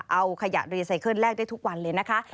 เอาขยะรีไซเคิลแลกได้ทุกวันเลยนะคะ